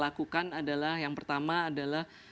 lakukan adalah yang pertama adalah